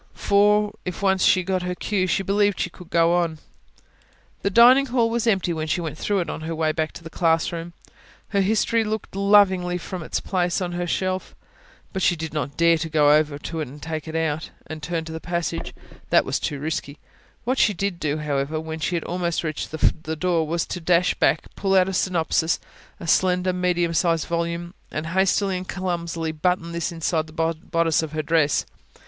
For, if once she got her cue, she believed she could go on. The dining hall was empty when she went through it on her way back to the classroom: her history looked lovingly at her from its place on the shelf. But she did not dare to go over to it, take it out, and turn up the passage: that was too risky. What she did do, however, when she had almost reached the door, was to dash back, pull out a synopsis [P.262] a slender, medium sized volume and hastily and clumsily button this inside the bodice of her dress.